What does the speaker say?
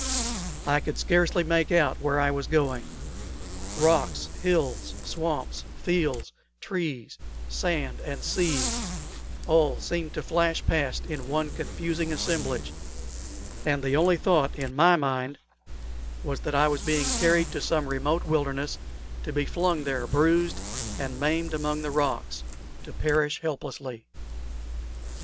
I could scarcely make out where I was going. Rocks, hills, swamps, fields, trees, sand, and sea all seemed to flash past in one confused assemblage, and the only thought in my mind was that I was being carried to some remote wilderness, to be flung there bruised and maimed among the rocks, to perish helplessly.